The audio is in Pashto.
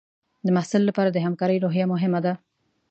د محصل لپاره د همکارۍ روحیه مهمه ده.